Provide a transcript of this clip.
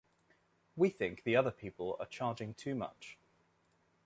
We think the other people are charging too much.